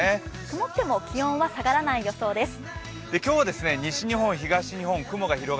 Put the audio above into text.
曇っても気温は下がらない予想です。